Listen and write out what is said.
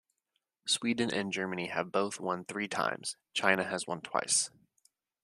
Sweden and Germany have both won three times, China has won twice.